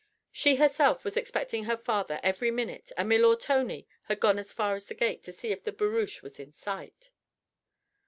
She herself was expecting her father every minute and milor Tony had gone as far as the gate to see if the barouche was in sight.